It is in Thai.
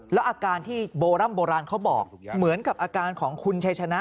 แล้วอาการที่โบร่ำโบราณเขาบอกเหมือนกับอาการของคุณชัยชนะ